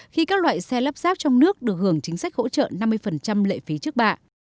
khi các loại xe lắp ráp trong nước được hưởng chính sách hỗ trợ năm mươi lệ phí trước bạ